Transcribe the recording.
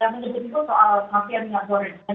yang menyebut itu soal mafia minyak goreng